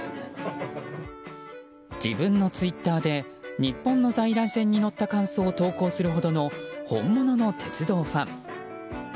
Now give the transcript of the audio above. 自分のツイッターで日本の在来線に乗った感想を投稿するほどの本物の鉄道ファン。